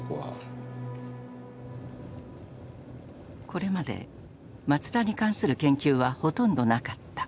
これまで松田に関する研究はほとんどなかった。